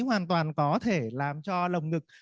hoàn toàn có thể làm cho lồng ngực